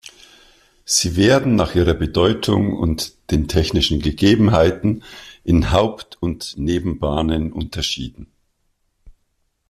Sie werden nach ihrer Bedeutung und den technischen Gegebenheiten in Haupt- und Nebenbahnen unterschieden.